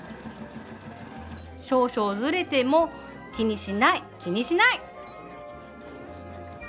少々ずれても気にしない気にしない！